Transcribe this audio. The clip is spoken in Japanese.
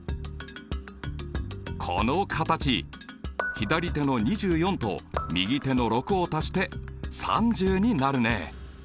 左手の２４と右手の６を足して３０になるね。